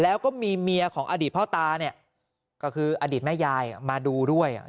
แล้วก็มีเมียของอดีตพ่อตาเนี่ยก็คืออดีตแม่ยายมาดูด้วย